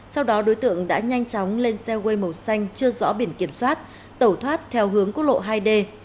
sau đó đối tượng đã nhanh chóng lên xe wale màu xanh chưa rõ biển kiểm soát tẩu thoát theo hướng quốc lộ hai d